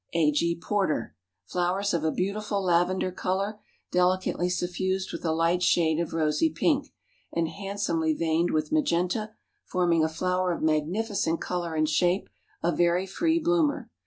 A. G. Porter. "Flowers of a beautiful lavender color, delicately suffused with a light shade of rosy pink, and handsomely veined with magenta, forming a flower of magnificent color and shape, a very free bloomer.